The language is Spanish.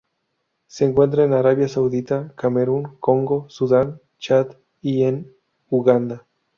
Se encuentra en Arabia Saudita, Camerún, Congo, Sudán, Chad y en Uganda.